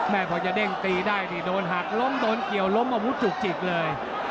แม่พ่อจะเด้งตีได้โดนหักโดนเกี่ยวล้มอาวุธจุกจิกเลย